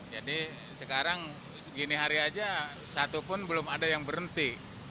jadi sekarang segini hari saja satu pun belum ada yang berhenti